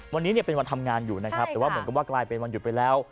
วันนี้เป็นวันทำงานอยู่ค่ะแต่กลายเป็นวันหยุดไปแล้ว